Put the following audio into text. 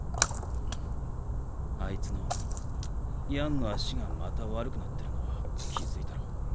あいつのヤンの足がまた悪くなってるのは気付いたろ？